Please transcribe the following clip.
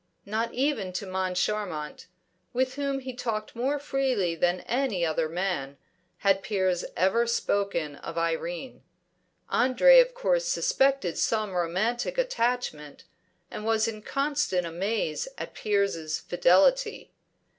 Not even to Moncharmont with whom he talked more freely than with any other man had Piers ever spoken of Irene. Andre of course suspected some romantic attachment, and was in constant amaze at Piers' fidelity.